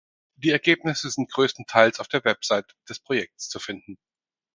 Die Ergebnisse sind größtenteils auf der Website des Projekts zu finden.